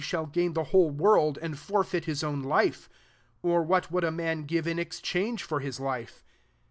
shall gsun the whole world, and forfeit his own life? or what would a man give in exchange for his life